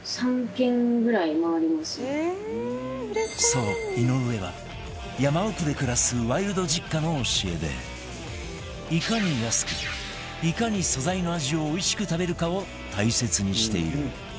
そう井上は山奥で暮らすワイルド実家の教えでいかに安くいかに素材の味をおいしく食べるかを大切にしている